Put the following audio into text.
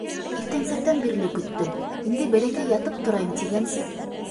Иртәнсәктән бирле көттөм, инде бәләкәй ятып торайым тигәнсе...